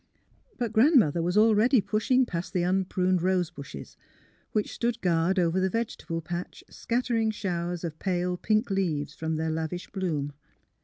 But Grandmother was already pushing past the unpruned rose bushes, which stood guard over the vegetable patch, scattering showers of pale pink leaves from their lavish bloom.